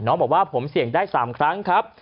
บอกว่าผมเสี่ยงได้๓ครั้งครับ